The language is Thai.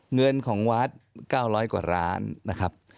เงินของวัด๙๐๐กว่าล้านนะครับ